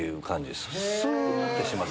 すーってします。